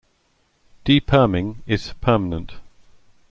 Deperming is "permanent".